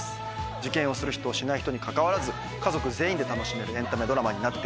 受験をする人しない人にかかわらず家族全員で楽しめるエンタメドラマになっています。